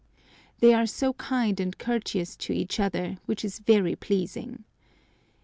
They are so kind and courteous to each other, which is very pleasing.